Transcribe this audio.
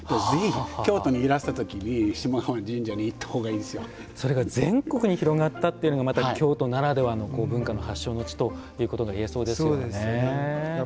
ぜひ京都にいらした時に下鴨神社にそれが全国に広がったというのがまた京都ならではの文化の発祥の地ということが言えそうですよね。